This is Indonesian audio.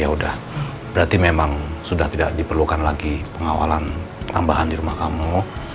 ya udah berarti memang sudah tidak diperlukan lagi pengawalan tambahan di rumah kamu